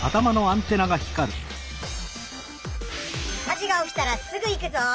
火事がおきたらすぐ行くぞ！